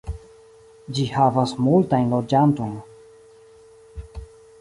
Ĝi havas multajn loĝantojn.